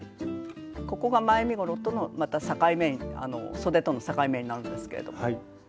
ここが前身ごろとそでとの境目になるんですけれども。